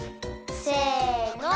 せの！